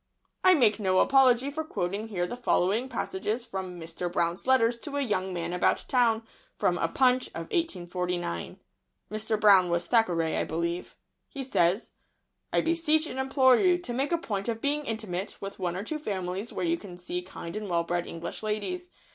I make no apology for quoting here the following passages from "Mr. Brown's Letters to a Young Man About Town" from a Punch of 1849. "Mr. Brown" was Thackeray, I believe. [Sidenote: "Mr. Brown's" advice.] He says: "I beseech and implore you to make a point of being intimate with one or two families where you can see kind and well bred English ladies.